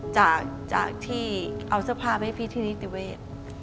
จากที่เอาสภาพให้พี่ที่นิติเวศ